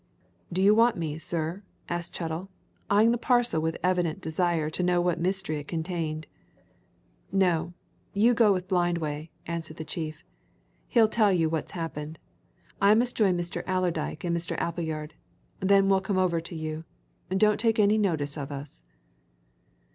"Do you want me, sir?" asked Chettle, eyeing the parcel with evident desire to know what mystery it concealed. "No you go with Blindway," answered the chief. "He'll tell you what's happened. I must join Mr. Allerdyke and Mr. Appleyard then we'll come over to you. Don't take any notice of us."